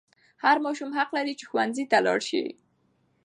هر ماشوم حق لري چې ښوونځي ته ولاړ شي.